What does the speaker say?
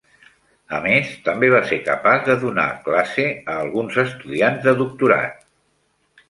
A més, també va ser capaç de donar classe a alguns estudiants de doctorat.